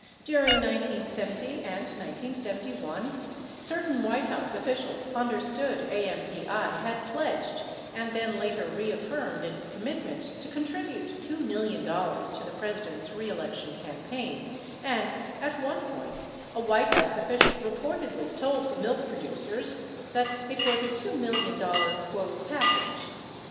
During 1970 and 1971, certain White House officials understood AMPI had pledged and then later reaffirmed its commitment to con tribute $2 million to the President's reelection campaign and, at one point, a White House official reportedly told the milk producers that it was a $2 million "package."